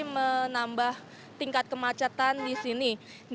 menambah tingkat kemacetan di sini